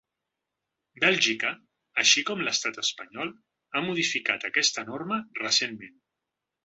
Bèlgica, així com l’estat espanyol, ha modificat aquesta norma recentment.